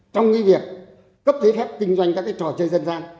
trong cái việc cấp thế phép kinh doanh các cái trò chơi dân gian